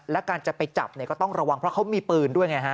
และการจะไปจับก็ต้องระวังเพราะเขามีปืนด้วยไงฮะ